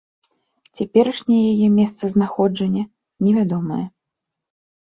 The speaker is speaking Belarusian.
Цяперашняе яе месцазнаходжанне невядомае.